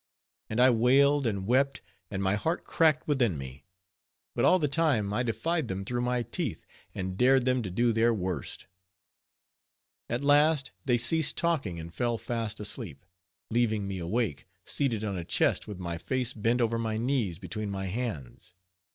And I wailed and wept, and my heart cracked within me, but all the time I defied them through my teeth, and dared them to do their worst. At last they ceased talking and fell fast asleep, leaving me awake, seated on a chest with my face bent over my knees between my hands.